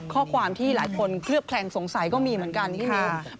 ข้อความที่หลายคนเคลือบแคลงสงสัยก็มีเหมือนกันพี่มิว